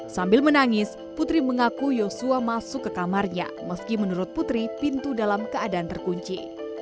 sambil menangis putri mengaku yosua masuk ke kamarnya meski menurut putri pintu dalam keadaan terkunci